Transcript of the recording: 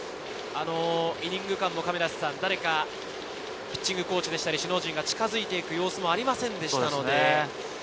イニング間も誰か、ピッチングコーチだったり首脳陣が近づく様子もありませんでした。